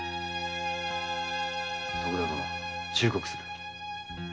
徳田殿。忠告する。